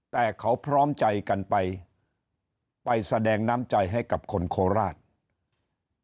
แต่เขาพร้อมใจกันไปไปแสดงน้ำใจให้กับคนโคราช